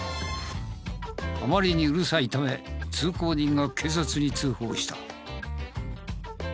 あまりにうるさいため通行人が警察に通報した。